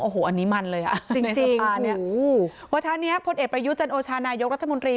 โอ้โหอันนี้มันเลยอ่ะจริงในสภาเนี่ยวาทะนี้พลเอกประยุจันโอชานายกรัฐมนตรี